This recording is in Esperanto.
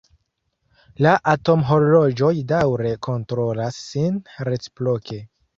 La atomhorloĝoj daŭre kontrolas sin reciproke.